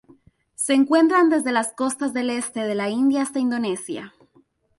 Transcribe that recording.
Se encuentran desde las costas del este de la India hasta Indonesia.